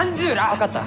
分かった。